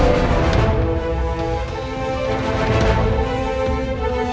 dia sudah mem china datang